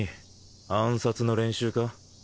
暗殺の練習か？